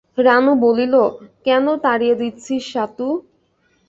রানু বলিল, কেন তাড়িয়ে দিচ্ছিস সাতু?